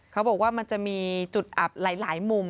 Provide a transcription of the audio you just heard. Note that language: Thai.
เขาบอกว่ามันจะมีจุดอับหลายมุม